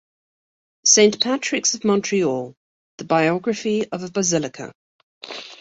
Saint Patrick's of Montreal: the biography of a basilica.